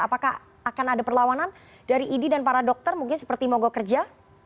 apakah akan ada perlawanan dari idi dan para dokter mungkin seperti mogok kerja